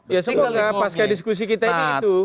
ya seolah olah pas ke diskusi kita ini itu